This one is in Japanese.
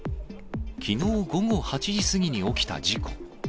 きのう午後８時過ぎに起きた事故。